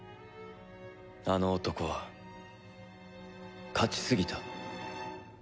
あの男は勝ちすぎた。